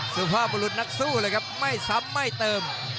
สุภาพบุรุษนักสู้เลยครับไม่ซ้ำไม่เติม